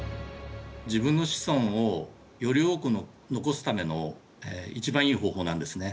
自分の子孫をより多く残すための一番いい方法なんですね。